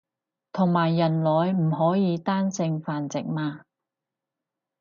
同埋人類唔可以單性繁殖嘛